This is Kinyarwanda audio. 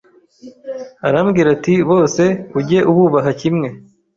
Arambwira ati bose ujye ububaha kimwe